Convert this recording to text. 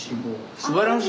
すばらしい。